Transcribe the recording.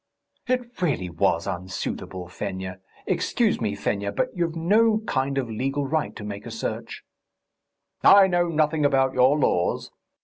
"It really was unsuitable, Fenya.... Excuse me, Fenya, but you've no kind of legal right to make a search." "I know nothing about your laws.